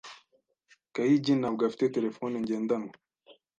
Gahigi ntabwo afite terefone ngendanwa.